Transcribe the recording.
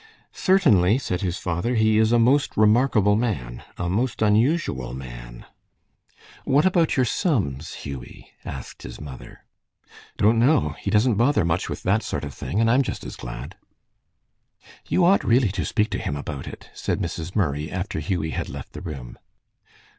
"Certainly," said his father, "he is a most remarkable man. A most unusual man." "What about your sums, Hughie?" asked his mother. "Don't know. He doesn't bother much with that sort of thing, and I'm just as glad." "You ought really to speak to him about it," said Mrs. Murray, after Hughie had left the room.